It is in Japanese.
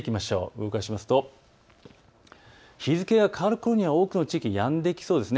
動かしますと日付が変わるころに多くの地域やんでそうですね。